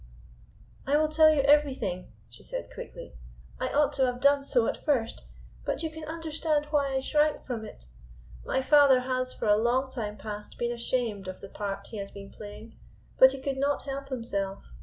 "I will tell you everything," she said quickly. "I ought to have done so at first, but you can understand why I shrank from it. My father has for a long time past been ashamed of the part he has been playing, but he could not help himself.